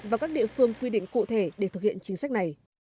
và các địa phương quy định cụ thể để thực hiện chính sách này